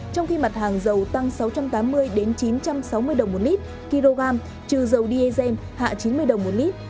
trong khi mặt hàng dầu tăng sáu trăm tám mươi chín trăm sáu mươi đồng một lít kg trừ dầu diesel hạ chín mươi đồng một lít